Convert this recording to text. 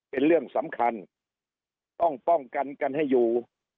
เป็นเรื่องสำคัญต้องป้องกันกันให้อยู่